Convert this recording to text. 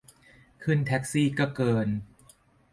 ขึ้นแท็กซี่ก็เกิน